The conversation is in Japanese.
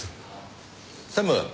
専務！